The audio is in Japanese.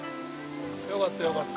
よかったよかった。